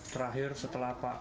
terakhir setelah apa